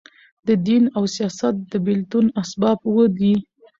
د دین او سیاست د بېلتون اسباب اووه دي.